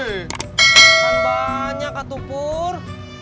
bukan banyak atu pur